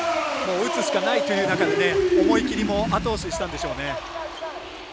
打つしかないという中で思い切りもあと押ししたんでしょうね。